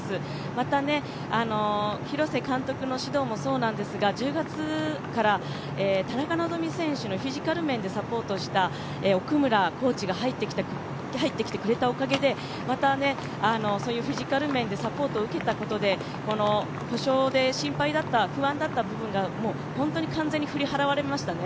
また廣瀬監督の指導もそうなんですが１０月から田中希実選手のフィジカル面でサポートした奧村コーチが入ってきたおかげで、フィジカル面でサポートを受けたことで故障で心配だった部分が完全に振り払われましたね。